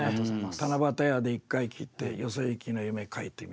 「七夕や」で一回切って「よそいきの夢書いてみる」。